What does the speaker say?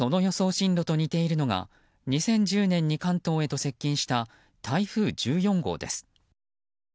進路と似ているのが２０１０年に関東へと接近した台風１４号です。